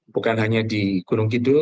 bukan hanya di gunung kidul